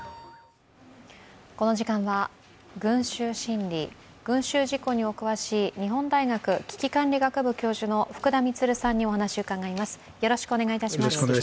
この時間は群集心理、群集事故にお詳しい日本大学危機管理学部教授の福田充さんにお話を伺います。